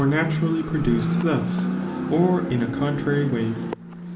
laturally protlueed thus, or in a contrary way.